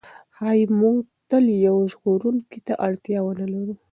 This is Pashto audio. ښایي موږ تل یو ژغورونکي ته اړتیا ونه لرو.